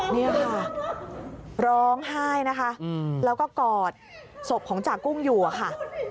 นี่ค่ะร้องไห้นะคะแล้วก็กอดศพของจากกุ้งอยู่อะค่ะ